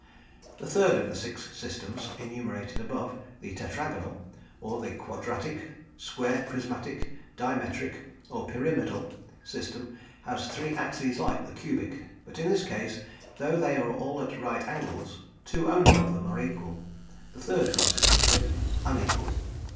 The third of the six systems enumerated above, the tetragonal or the quadratic, square prismatic, dimetric, or pyramidal system has three axes like the cubic, but, in this case, though they are all at right angles, two only of them are equal, the third, consequently, unequal.